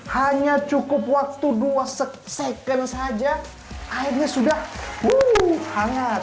hanya cukup waktu dua second saja airnya sudah hangat